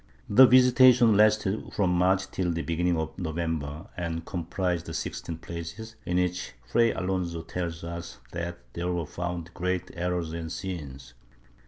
The visitation lasted from March till the beginning of November, and comprised sixteen places, in which Fray Alonso tells us that there were found great errors and sins.